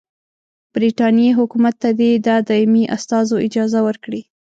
برټانیې حکومت ته دي د دایمي استازو اجازه ورکړي.